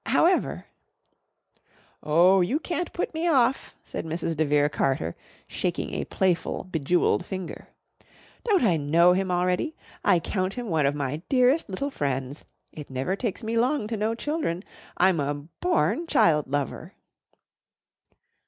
However " "Oh, you can't put me off!" said Mrs. de Vere Carter shaking a playful bejewelled finger. "Don't I know him already? I count him one of my dearest little friends. It never takes me long to know children. I'm a born child lover."